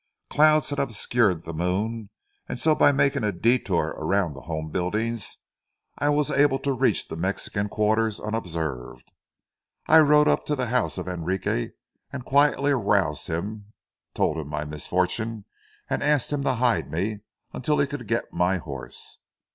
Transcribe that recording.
Clouds had obscured the moon, and so by making a detour around the home buildings I was able to reach the Mexican quarters unobserved. I rode up to the house of Enrique, and quietly aroused him; told him my misfortune and asked him to hide me until he could get up my horse.